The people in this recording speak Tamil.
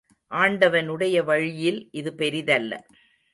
ஆண்டவனுடைய வழியில் இது பெரிதல்ல.